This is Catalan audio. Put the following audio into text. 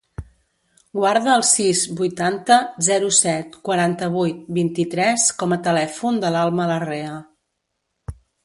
Guarda el sis, vuitanta, zero, set, quaranta-vuit, vint-i-tres com a telèfon de l'Alma Larrea.